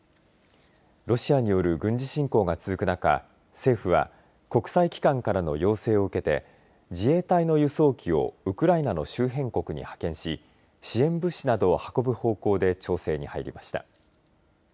ロシアによる軍事侵攻が続く中政府は国際機関からの要請を受けて自衛隊の輸送機をウクライナの周辺国に派遣し支援物資などを運ぶ方向で調整に入りました。